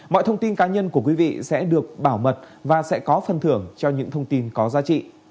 mọi thông tin cá nhân của quý vị sẽ được bảo mật và sẽ có phần thưởng cho những thông tin có giá trị